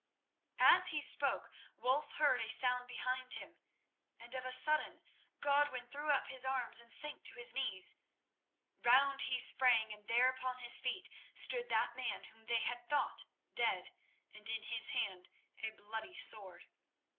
As he spoke Wulf heard a sound behind him, and of a sudden Godwin threw up his arms and sank to his knees. Round he sprang, and there upon his feet stood that man whom they had thought dead, and in his hand a bloody sword.